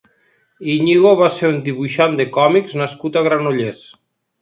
Íñigo va ser un dibuixant de còmics nascut a Granollers.